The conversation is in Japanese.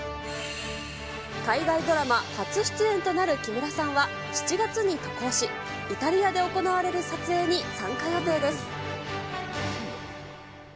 海外ドラマ初出演となる木村さんは、７月に渡航し、イタリアで行われる撮影に参加予定です。